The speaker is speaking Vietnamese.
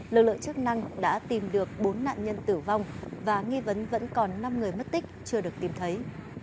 lực lượng chức năng đã tìm được bốn nạn nhân tử vong và nghi vấn vẫn còn năm người mất tích chưa được tìm thấy